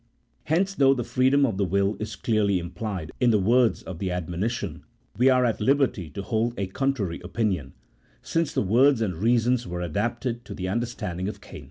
Hence, though the freedom of the will is clearly implied in the words of the admonition, we are at liberty to hold a contrary opinion, since the words and reasons were adapted to the under standing of Cain.